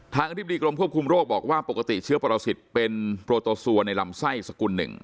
อธิบดีกรมควบคุมโรคบอกว่าปกติเชื้อปรสิทธิ์เป็นโปรโตซัวในลำไส้สกุลหนึ่ง